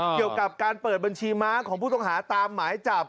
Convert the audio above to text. เกี่ยวกับการเปิดบัญชีม้าของผู้ต้องหาตามหมายจับ